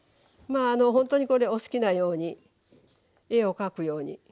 まあほんとにこれお好きなように絵を描くように。